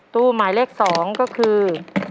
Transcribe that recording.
ตู้หมายเลข๒ก็คือ